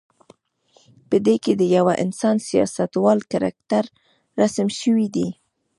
په دې کې د یوه افغان سیاستوال کرکتر رسم شوی دی.